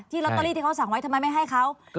ลอตเตอรี่ที่เขาสั่งไว้ทำไมไม่ให้เขา